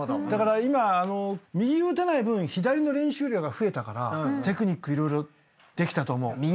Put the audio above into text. だから今右打てない分左の練習量が増えたからテクニック色々できたと思う。